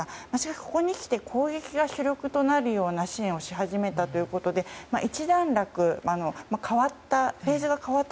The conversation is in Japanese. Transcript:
ここに来て攻撃が主力となるような支援をし始めたということで一段落、変わった。